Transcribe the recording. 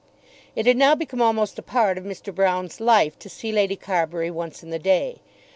It had now become almost a part of Mr. Broune's life to see Lady Carbury once in the day.